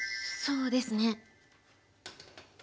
そうですね。